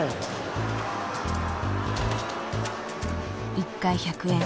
１回１００円。